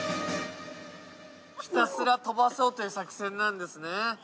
ひたすら飛ばそうという作戦なんですね。